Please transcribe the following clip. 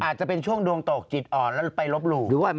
อาจจะเป็นช่วงดวงตกจิตอ่อนแล้วไปลบหลู่